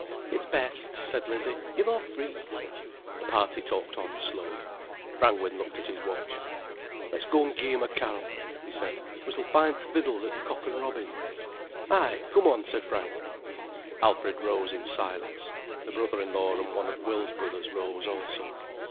"It's best," said Lizzie, "you're more free." The party talked on slowly. Brangwen looked at his watch. "Let's go an' give 'em a carol," he said. "We s'll find th' fiddles at the 'Cock an' Robin'." "Ay, come on," said Frank. Alfred rose in silence. The brother in law and one of Will's brothers rose also.